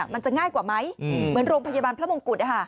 มันจะง่ายกว่าไหมเหมือนโรงพยาบาลพระมงกุฎ